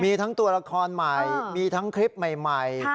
มีทั้งตัวละครใหม่มีทั้งคลิปใหม่